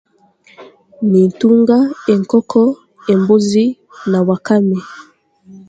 Nintunga enkoko, embuzi, na wakame.